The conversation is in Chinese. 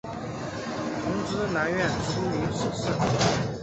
同知南院枢密使事。